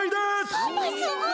パパすごい！